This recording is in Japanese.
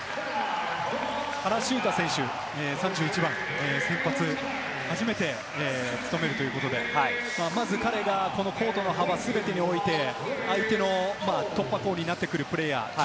原修太選手、先発、初めて務めるということで、まず彼がこのコートの幅全てにおいて、相手の突破口になってくるプレーヤー。